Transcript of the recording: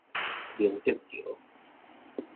明德橋